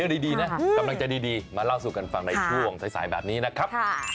ดีนะกำลังใจดีมาเล่าสู่กันฟังในช่วงสายแบบนี้นะครับ